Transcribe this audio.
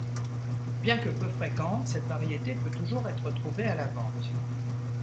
Bien que peu fréquente, cette variété peut toujours être trouvée à la vente.